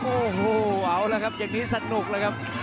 โอ้โหเอาละครับอย่างนี้สนุกเลยครับ